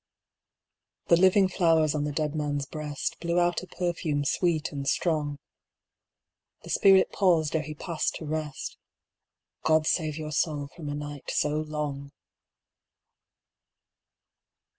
The living flowers on the dead man's breast Blew out a perfume sweet and strong. The spirit paused ere he passed to rest— "God save your soul from a night so long."